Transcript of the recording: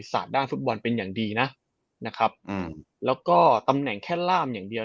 สาดด้านฟุตบอลเป็นอย่างดีนะแล้วก็ตำแหน่งแค่ร่ามอย่างเดียว